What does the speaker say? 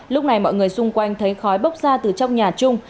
lúc này mọi người xung quanh thấy khói bốc ra từ trong nhà chung